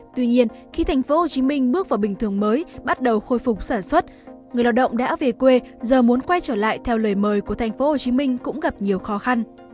tuy nhiên khi thành phố hồ chí minh bước vào bình thường mới bắt đầu khôi phục sản xuất người lao động đã về quê giờ muốn quay trở lại theo lời mời của thành phố hồ chí minh cũng gặp nhiều khó khăn